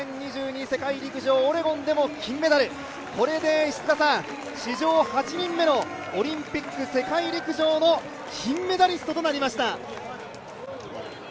オレゴンでも金メダル、これで史上８人目のオリンピック、世界陸上の金メダリストとなりました。